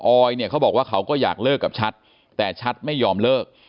อยเนี่ยเขาบอกว่าเขาก็อยากเลิกกับชัดแต่ชัดไม่ยอมเลิก